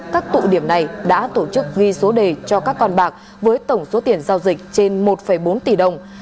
các tụ điểm này đã tổ chức ghi số đề cho các con bạc với tổng số tiền giao dịch trên một bốn tỷ đồng